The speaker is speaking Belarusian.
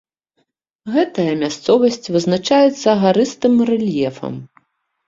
Гэтая мясцовасць вызначаецца гарыстым рэльефам.